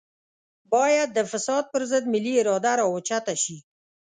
بايد د فساد پر ضد ملي اراده راوچته شي.